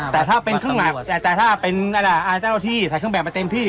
แต่เขาแสดงบัตรมาแต่ถ้าเป็นเครื่องแบบมาเต็มที่